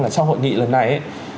sau hội nghị lần này